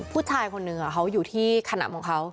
ผู้ชายคนหนึ่งเขาอยู่ที่ขนำของเขา